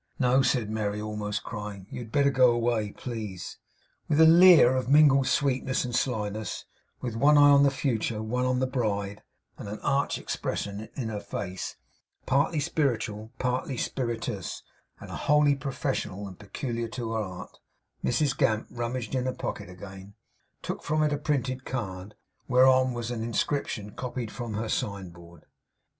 'No,' said Merry, almost crying. 'You had better go away, please!' With a leer of mingled sweetness and slyness; with one eye on the future, one on the bride, and an arch expression in her face, partly spiritual, partly spirituous, and wholly professional and peculiar to her art; Mrs Gamp rummaged in her pocket again, and took from it a printed card, whereon was an inscription copied from her signboard.